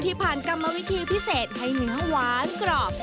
ผ่านกรรมวิธีพิเศษให้เนื้อหวานกรอบ